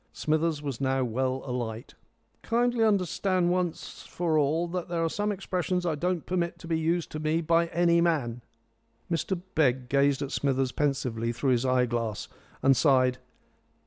Smithers was now well alight. "Kindly understand once for all that there are some expressions I don't permit to be used to me by any man." Mr Begg gazed at Smithers pensively through his eye glass and sighed.